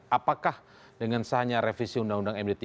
apakah dengan sahnya revisi undang undang md tiga